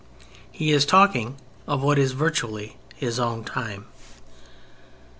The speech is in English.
He is talking of what is, virtually, his own time.